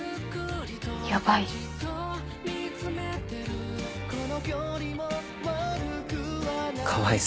やばい？